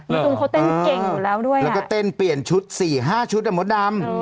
หนุ่มเขาแต้นเก่งดูแล้วด้วยแล้วก็เปลี่ยนชุด๔๕ชุดนะมดดำ